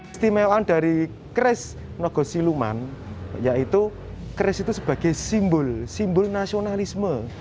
istimewaan dari keris nogosiluman yaitu keris itu sebagai simbol simbol nasionalisme